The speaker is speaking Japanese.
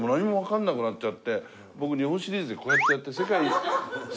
僕日本シリーズでこうやってやって。